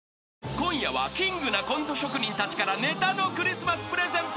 ［今夜はキングなコント職人たちからネタのクリスマスプレゼント。